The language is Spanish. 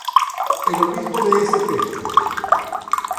El obispo de St.